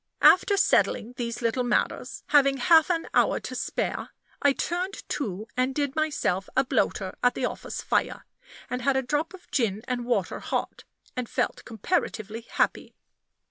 After settling these little matters, having half an hour to spare, I turned to and did myself a bloater at the office fire, and had a drop of gin and water hot, and felt comparatively happy.